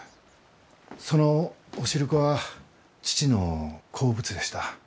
そのお汁粉は父の好物でした。